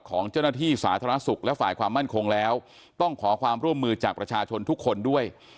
ของเจ้าหน้าที่สาธารณสุขและฝ่ายความมั่นคงแล้วต้องขอความร่วมมือจากประชาชนทุกคนด้วย